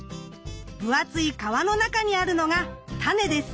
分厚い皮の中にあるのが種です。